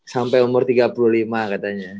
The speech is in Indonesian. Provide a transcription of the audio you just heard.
sampai umur tiga puluh lima katanya